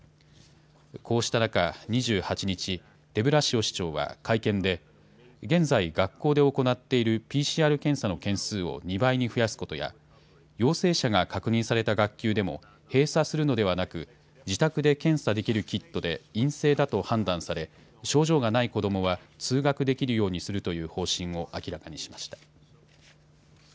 こうした中、２８日、デブラシオ市長は会見で、現在、学校で行っているＰＣＲ検査の件数を２倍に増やすことや、陽性者が確認された学級でも、閉鎖するのではなく、自宅で検査できるキットで陰性だと判断され、症状がない子どもは、通学できるようにするという方針を明らかにしました。